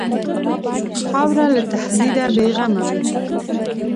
خاوره له تهدیده بېغمه وي.